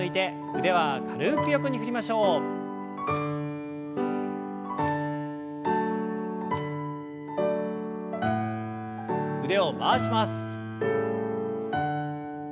腕を回します。